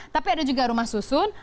tapi ada juga rumah susun